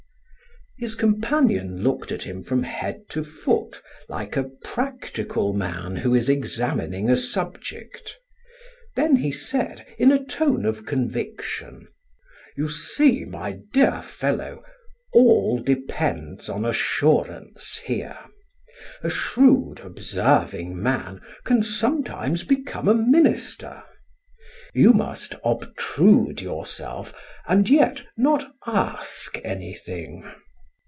His companion looked at him from head to foot like a practical man who is examining a subject; then he said, in a tone of conviction: "You see, my dear fellow, all depends on assurance, here. A shrewd, observing man can sometimes become a minister. You must obtrude yourself and yet not ask anything.